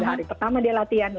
hari pertama dia latihan